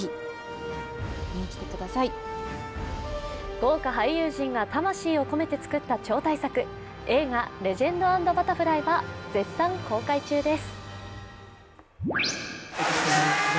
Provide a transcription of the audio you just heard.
豪華俳優陣が魂を込めて作った超大作、映画「レジェンド＆バタフライ」は絶賛公開中です。